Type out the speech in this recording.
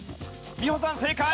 美穂さん正解。